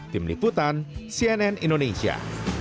tim liputan cnn indonesia